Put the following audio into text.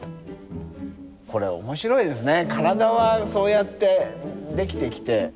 これ面白いですね。